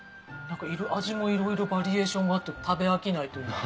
味もいろいろバリエーションがあって食べ飽きないというか。